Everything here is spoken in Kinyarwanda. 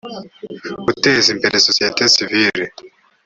guteza imbere sosiyete sivile